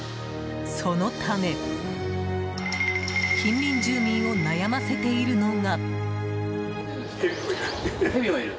そのため近隣住民を悩ませているのが。